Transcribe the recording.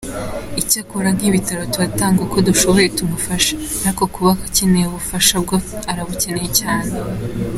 Icyakora nk’ibitaro turatanga uko dushoboye tumufashe, ariko kuba akeneye ubufasha bwo arabukeneye cyane.